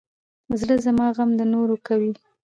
زړه زما غم د نورو کوي.